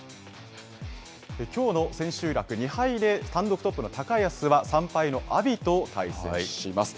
きょうの千秋楽、２敗で単独トップの高安は３敗の阿炎と対戦します。